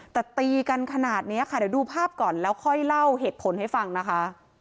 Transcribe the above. แต่ตีกันขนาดนี้ค่ะเดี๋ยวดูภาพก่อนแล้วค่อยเล่าเหตุผลให้ฟังนะคะ